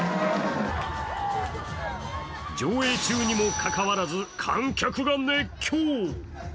上映中にもかかわらず観客が熱狂。